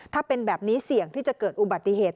ถ้าเป็นแบบนี้เสี่ยงที่จะเกิดอุบัติเหตุ